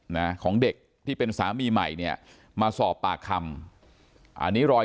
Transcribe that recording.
นะของเด็กที่เป็นสามีใหม่เนี่ยมาสอบปากคำอันนี้รอย